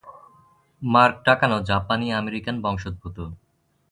Mark Takano জাপানি-আমেরিকান বংশোদ্ভূত।